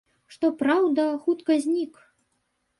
Што праўда, хутка знік.